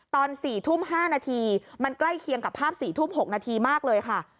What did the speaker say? ตอน๔ทุ่ม๕นาทีมันใกล้เคียงกับภาพ๔ทุ่ม๖นาทีมากเลยค่ะ